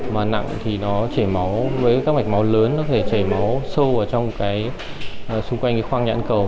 mà nặng thì nó chảy máu với các mạch máu lớn có thể chảy máu sâu vào trong cái xung quanh khoang nhãn cầu